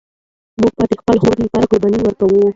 موږ به د خپل هوډ لپاره قرباني ورکوو.